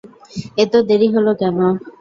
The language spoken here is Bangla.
এত দেরি হলো কেন?